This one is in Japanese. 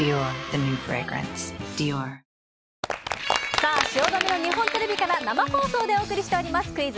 さあ、汐留の日本テレビから生放送でお送りしております、クイズ！